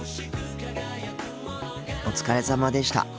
お疲れさまでした。